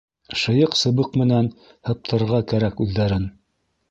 — Шыйыҡ сыбыҡ менән һыптырырға кәрәк үҙҙәрен.